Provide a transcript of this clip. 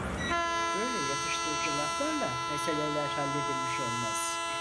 Böyle yatıştırıcı laflarla meseleler halledilmiş olmaz.